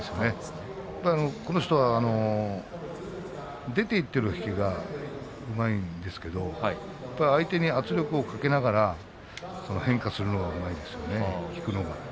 この人は出ていってるときは強いんですけど相手に圧力をかけながら変化するのがうまいですよね引くのが。